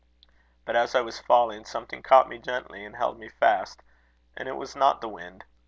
But as I was falling, something caught me gently, and held me fast, and it was not the wind.